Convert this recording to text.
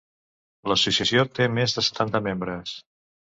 L'associació té més de setanta membres.